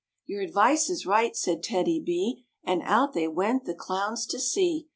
"Your advice is right," said TEDDY B, And out they went the clowns to see.